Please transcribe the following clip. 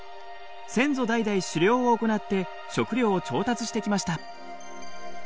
先祖代々狩猟を行って食料を調達してきました。